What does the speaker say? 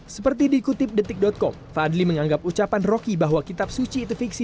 seperti dikutip detik com fadli menganggap ucapan roky bahwa kitab suci itu fiksi